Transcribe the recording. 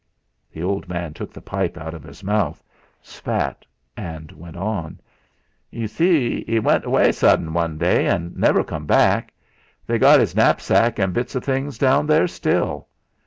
The old man took the pipe out of his mouth, spat, and went on: "Yu see, 'e went away sudden one day, an' never come back. They got 'is knapsack and bits o' things down there still.